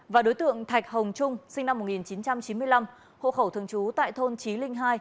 và đối tượng thạch hồng trung sinh năm một nghìn chín trăm chín mươi năm hộ khẩu thường trú tại thôn trí linh hai